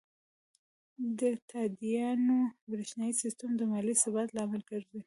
د تادیاتو بریښنایی سیستم د مالي ثبات لامل ګرځي.